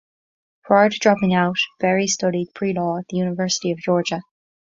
Prior to dropping out, Berry studied pre-law at the University of Georgia.